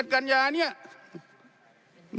๒๑กัญญาเนี่ย